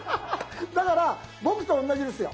だから僕と同じですよ。